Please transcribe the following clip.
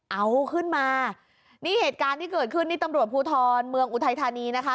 เอาขึ้นมานี่เหตุการณ์ที่เกิดขึ้นนี่ตำรวจภูทรเมืองอุทัยธานีนะคะ